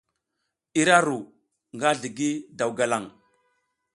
Ira ru nga zligi daw galaŋ.